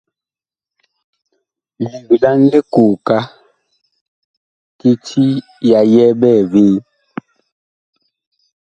Legla likooka kiti ya yɛ ɓɛɛvee.